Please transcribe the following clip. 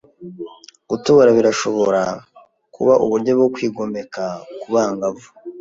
Gutobora birashobora kuba uburyo bwo kwigomeka kubangavu.